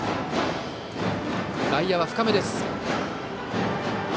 外野は深めです。